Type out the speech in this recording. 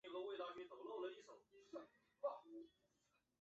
贾让是西汉著名水利家。